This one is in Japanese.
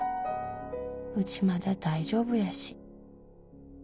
うちまだ大丈夫やし。